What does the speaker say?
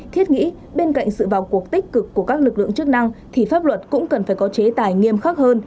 thiết nghĩ bên cạnh sự vào cuộc tích cực của các lực lượng chức năng thì pháp luật cũng cần phải có chế tài nghiêm khắc hơn